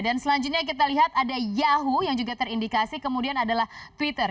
dan selanjutnya kita lihat ada yahoo yang juga terindikasi kemudian adalah twitter